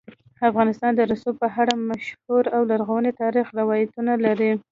افغانستان د رسوب په اړه مشهور او لرغوني تاریخی روایتونه لري.